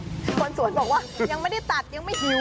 คนสวนบอกว่ายังไม่ได้ตัดยังไม่หิว